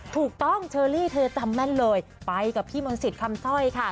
ถูกต้องเชอรี่เธอจำแม่นเลยไปกับพี่มนต์สิทธิ์คำสร้อยค่ะ